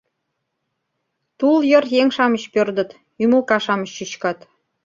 Тул йыр еҥ-шамыч пӧрдыт, ӱмылка-шамыч чӱчкат